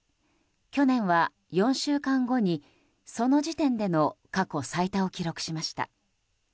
去年は４週間後にその時点での過去最多を記録しました。